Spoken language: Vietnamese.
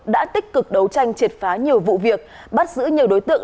đã tích cực đấu tranh triệt phá nhiều vụ việc bắt giữ nhiều đối tượng